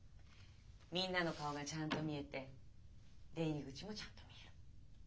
みんなの顔がちゃんと見えて出入り口もちゃんと見える。